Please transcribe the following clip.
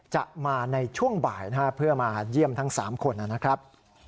จะมาในช่วงบ่ายเพื่อมาเยี่ยมทั้ง๓คนนะครับ